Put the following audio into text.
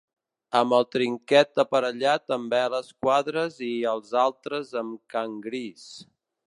Amb el trinquet aparellat amb veles quadres i els altres amb cangrees.